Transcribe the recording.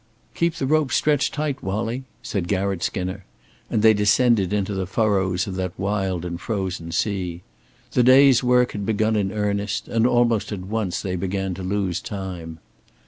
"Keep the rope stretched tight, Wallie," said Garratt Skinner; and they descended into the furrows of that wild and frozen sea. The day's work had begun in earnest; and almost at once they began to lose time.